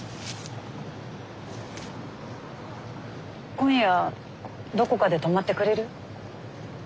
今夜どこかで泊まってくれる？